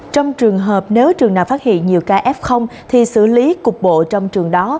trong trường hợp nếu trường nào phát hiện nhiều kf thì xử lý cục bộ trong trường đó